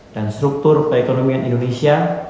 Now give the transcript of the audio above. dan struktur perekonomian indonesia